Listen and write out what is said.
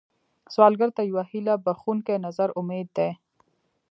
سوالګر ته یو هيله بښونکی نظر امید دی